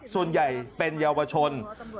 ส่วนใหญ่เป็นเยาวชน